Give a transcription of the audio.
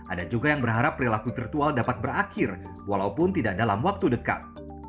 ada juga yang berharap perilaku virtual dapat berakhir walaupun tidak dalam waktu dekat